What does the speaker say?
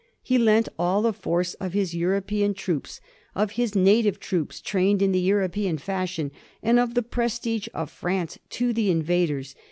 He lent all the force of his European troops, of his native troops trained in the European fashion, and of the prestige of France to the invaders.